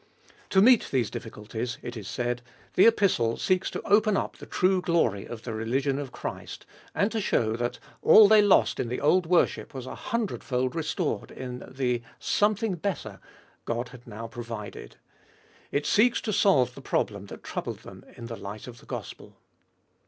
To meet these difficulties, it is said, the Epistle seeks to open up the true glory of the religion of Christ, and to show that all that they lost in the old worship was a hundredfold restored in the " something better " God had now provided. It seeks to solve the problem that troubled them in the light of the gospel.